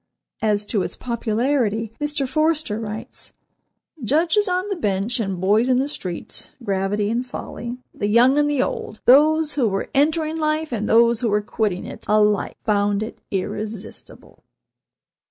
As to its popularity, Mr. Forster writes: "Judges on the bench, and boys in the streets, gravity and folly, the young and the old, those who were entering life, and those who were quitting it, alike found it irresistible."